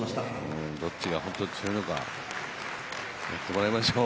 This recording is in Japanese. どっちが強いのか、やってもらいましょう。